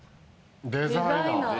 デザイナー。